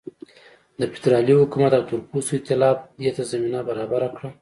د فدرالي حکومت او تورپوستو اېتلاف دې ته زمینه برابره کړه.